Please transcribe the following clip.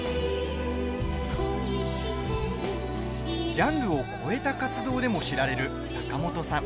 ジャンルを超えた活動でも知られる坂本さん。